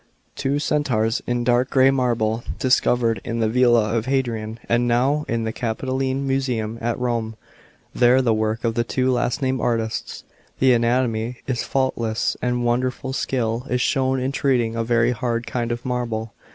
Two Centaurs in dark grey marbl^, discovered in the Villa of Hadrian, and now in the Capitoline Museum at Rome, are the work of the two last named artists. The anatomy is faultless, and wonderful skill is shown in treating a very hard kind of marble.